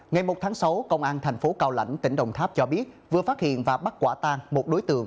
ngày một tháng sáu công an thành phố cao lãnh tỉnh đồng tháp cho biết vừa phát hiện và bắt quả tan một đối tượng